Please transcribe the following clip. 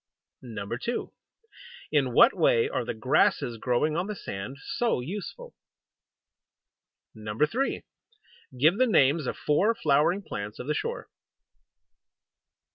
2. In what way are the grasses growing on the sand so useful? 3. Give the names of four flowering plants of the shore.